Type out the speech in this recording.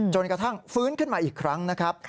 จนกระทั่งฟื้นขึ้นมาอีกครั้งนะครับ